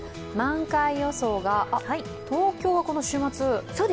満開予想が、東京はこの週末？